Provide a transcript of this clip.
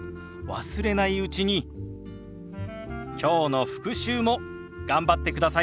忘れないうちにきょうの復習も頑張ってくださいね。